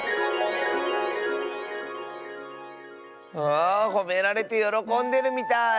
あほめられてよろこんでるみたい。